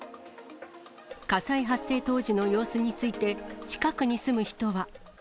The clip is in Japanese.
火災発生当時の様子について、近くに住む人は。